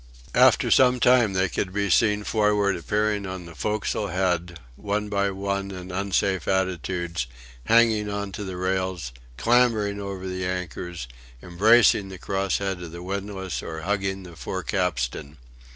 After some time they could be seen forward appearing on the forecastle head, one by one in unsafe attitudes; hanging on to the rails, clambering over the anchors; embracing the cross head of the windlass or hugging the fore capstan.